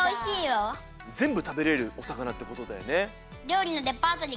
ぜんぶたべれるおさかなってことだよね。